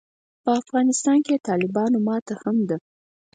په افغانستان کې د طالبانو ماته هم ده.